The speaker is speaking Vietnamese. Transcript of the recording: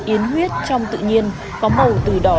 yến huyết trong tự nhiên có màu từ đỏ